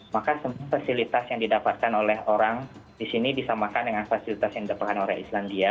maka fasilitas yang didapatkan oleh orang di sini disamakan dengan fasilitas yang didapatkan oleh islandia